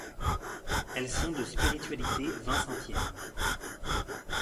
Elles sont de spiritualité vincentienne.